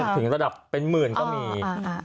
ถึงระดับเป็นหมื่นก็มี